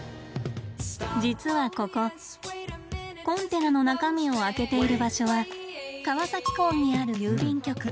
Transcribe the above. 実はここコンテナの中身を開けている場所は川崎港にある郵便局。